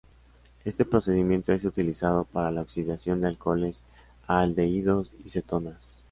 Este procedimiento es utilizado para la oxidación de alcoholes a aldehídos y cetonas.